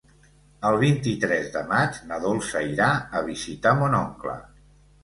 El vint-i-tres de maig na Dolça irà a visitar mon oncle.